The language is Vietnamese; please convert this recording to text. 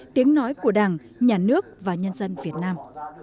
tiếng nói của đảng nhà nước và nhân dân việt nam